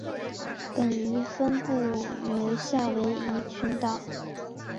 本鱼分布于夏威夷群岛。